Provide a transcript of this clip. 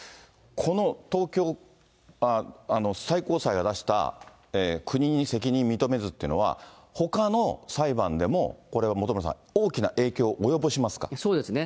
この最高裁が出した、国に責任認めずっていうのは、ほかの裁判でも、これは本村さん、そうですね。